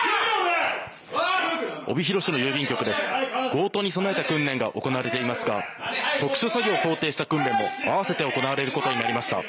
強盗に備えた訓練が行われていますが特殊詐欺を想定した訓練も併せて行われることになりました。